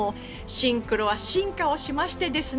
シンクロは進化をしましてですね